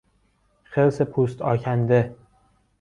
خرس پوست آکنده